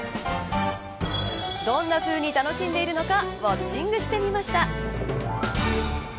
どんなふうに楽しんでいるのかウオッチングしました。